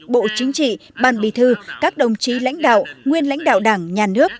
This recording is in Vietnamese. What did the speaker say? bộ chính trị ban bì thư các đồng chí lãnh đạo nguyên lãnh đạo đảng nhà nước